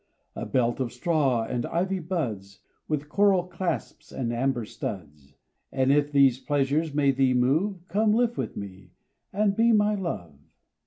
A belt of straw and ivy buds With coral clasps and amber studs, An' if these pleasures may thee move, Come live with me, and be my love.